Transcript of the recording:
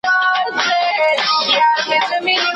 ده به سر وي هر قدم پکښي بایللی